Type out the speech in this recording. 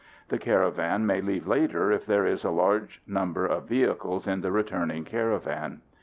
The caravan may leave later if there is a large number of vehicles in the returning caravan.